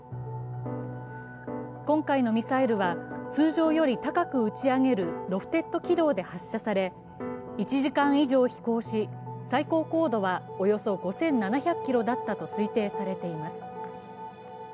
今回のミサイルは通常より高く打ち上げるロフテッド軌道で発射され１時間以上飛行し、最高高度はおよそ５７００ｋｍだったと推定されています。